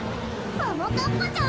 ももかっぱちゃん